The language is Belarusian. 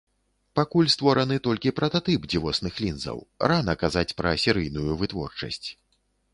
Пакуль створаны толькі прататып дзівосных лінзаў, рана казаць пра серыйную вытворчасць.